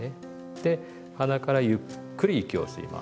で鼻からゆっくり息を吸います。